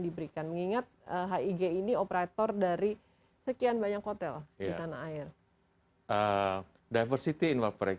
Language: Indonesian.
diberikan mengingat hig ini operator dari sekian banyak hotel di tanah air diversity in over